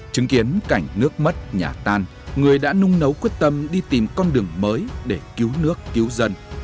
chứng kiến cảnh nước mất nhà tan người đã nung nấu quyết tâm đi tìm con đường mới để cứu nước cứu dân